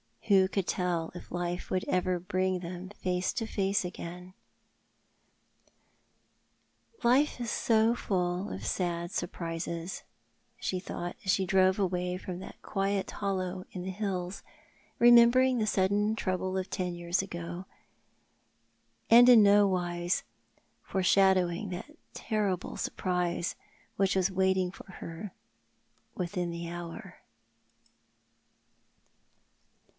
Who could tell if life would ever bring them face to face again ?" Life is so full of sad surprises," she thought, as she drove away from that quiet hollow in the hills, remembering the sudden trouble of ten years ago, and in no wise foreshadowing that terrible surprise which was waiting for her within the hour.